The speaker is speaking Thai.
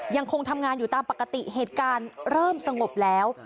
ยังคงทำงานอยู่ตามปกติเหตุการณ์เริ่มสงบแล้ว